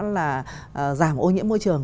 nó là giảm ô nhiễm môi trường